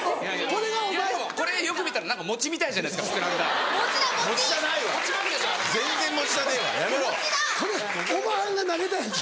これおばはんが投げたやつ？